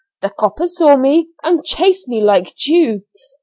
The copper saw me, and chased me like Jehu.